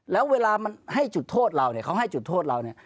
แล้วเวลามันให้จุดโทษเราเขาให้จุดโทษเรา